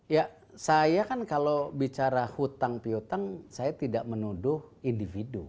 ya saya kan kalau bicara hutang pihutang saya tidak menuduh individu